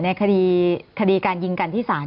ในคดีการยิงกันที่ศาล